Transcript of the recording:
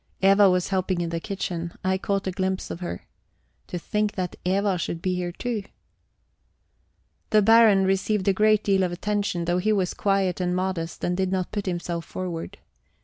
Eva was helping in the kitchen; I caught a glimpse of her. To think that Eva should be here too! The Baron received a great deal of attention, though he was quiet and modest and did not put himself forward.